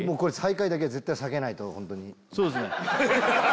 そうですね